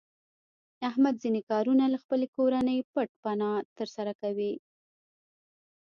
احمد ځنې کارونه له خپلې کورنۍ پټ پناه تر سره کوي.